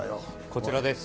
こちらです